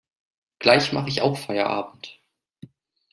Gleich mache ich auch Feierabend.